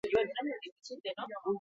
Gero, enpresaburu gisa hasi zen lanean.